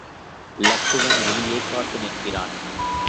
இலக்குவன் வெளியே காத்து நிற்கிறான்.